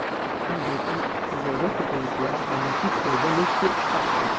Malgré tout, plusieurs autres territoires n'en ont toutefois jamais fait partie.